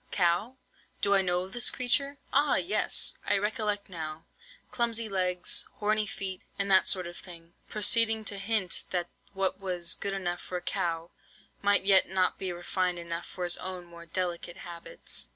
cow? do I know the creature? Ah! Yes, I recollect now; clumsy legs, horny feet, and that sort of thing,' proceeding to hint that what was good enough for a cow, might yet not be refined enough for his own more delicate habits.